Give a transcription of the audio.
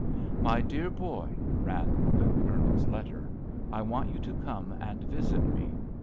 "My dear boy," ran the Colonel's letter, "_I want you to come and visit me.